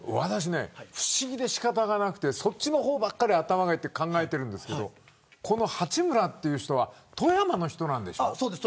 不思議で仕方がなくてそっちばっかり考えてるんですけど八村という人は富山の人なんでしょ。